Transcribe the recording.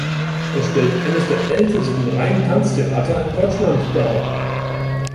Es stellt eines der ältesten reinen Tanztheater in Deutschland dar.